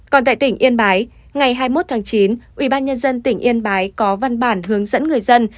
còn tại tỉnh yên bái ngày hai mươi một tháng chín ubnd tỉnh yên bái có văn bản hướng dẫn người dân